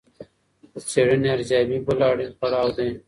د څېړني ارزیابي بل اړین پړاو دی.